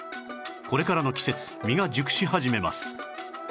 これからの季節実が熟し始めます